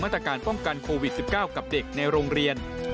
ตรการป้องกันโควิด๑๙กับเด็กในโรงเรียน